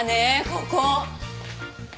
ここ。